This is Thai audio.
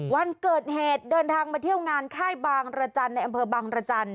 วันเกิดเหตุเดินทางมาเที่ยวงานค่ายบางรจันทร์